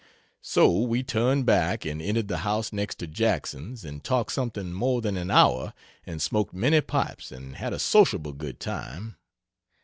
So we turned back and entered the house next to Jackson's and talked something more than an hour and smoked many pipes and had a sociable good time.